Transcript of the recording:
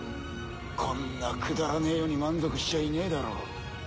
こんなくだらねえ世に満足しちゃいねえだろ。